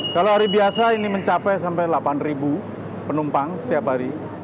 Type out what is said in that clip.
kalau hari biasa ini mencapai sampai delapan penumpang setiap hari